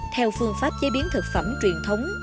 theo phương pháp chế biến thực phẩm truyền thống